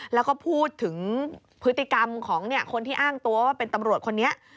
แล้วก็พูดถึงพฤติกรรมของคนที่อ้างตัวว่าเป็นตำรวจคนนี้